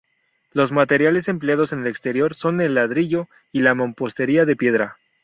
Los materiales empleados en el exterior son el ladrillo y la mampostería de piedra.